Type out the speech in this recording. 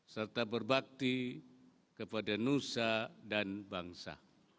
serta berbakti kepada nusa dan bangsa